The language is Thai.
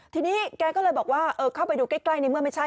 ทีนี้แกก็เลยบอกว่าเข้าไปดูใกล้ในเมื่อไม่ใช่